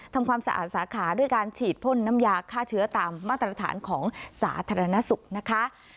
ทำความสะอาดสาขาด้วยการฉีดพ่นน้ำยาฆ่าเชื้อตามมาตรฐานของสาธารณสุขนะคะ